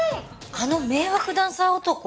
あの迷惑ダンサー男？